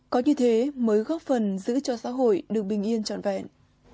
có như thế mới góp phần giữ cho xã hội được bình yên trọn vẹn